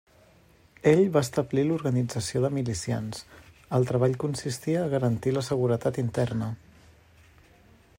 Ell va establir l'Organització de milicians, el treball consistia a garantir la seguretat interna.